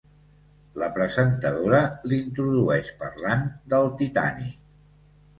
La presentadora l'introdueix parlant del Titànic.